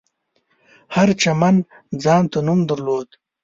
هر چمن ځانته نوم درلود.